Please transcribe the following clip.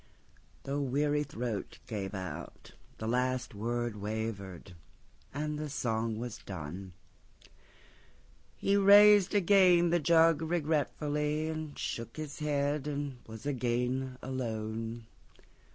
The weary throat gave out, The last word wavered; and the song being done, He raised again the jug regretfullyAnd shook his head, and was again alone.